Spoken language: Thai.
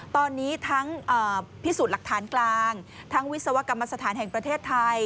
ตอนนี้ทั้งพิสูจน์หลักฐานกลางทั้งวิศวกรรมสถานแห่งประเทศไทย